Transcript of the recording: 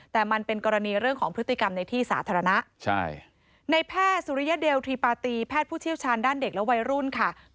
แต่มันเป็นกรณีเรื่องของพฤติกรรมในที่สาธารณะ